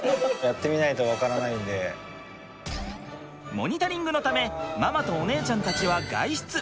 モニタリングのためママとお姉ちゃんたちは外出。